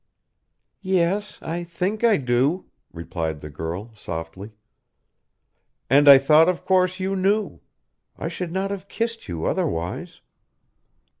"Yes, I think I do," replied the girl, softly. "And I thought of course you knew. I should not have kissed you otherwise."